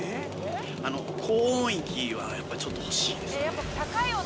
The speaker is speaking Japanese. あの高音域はやっぱちょっと欲しいですね。